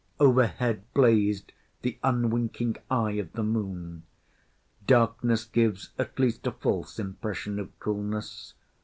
Overhead blazed the unwinking eye of the Moon. Darkness gives at least a false impression of coolness.